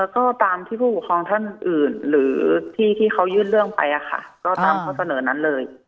ก็ตามที่ผู้ปกครองท่านอื่นหรือที่เขายื่นเรื่องไปก็ตามข้อเสนอนั้นเลย